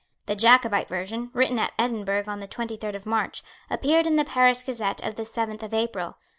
The Jacobite version, written at Edinburgh on the twenty third of March, appeared in the Paris Gazette of the seventh of April.